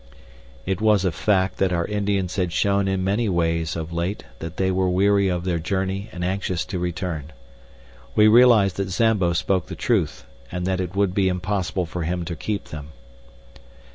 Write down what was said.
It was a fact that our Indians had shown in many ways of late that they were weary of their journey and anxious to return. We realized that Zambo spoke the truth, and that it would be impossible for him to keep them.